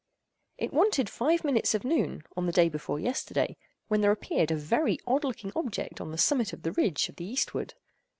It wanted five minutes of noon, on the day before yesterday, when there appeared a very odd looking object on the summit of the ridge of the eastward.